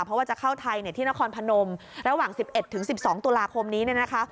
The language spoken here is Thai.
เพราะว่าจะเข้าไทยที่นครพนมระหว่าง๑๑ถึง๑๒ตุลาคมนี้เนี่ยนะคะ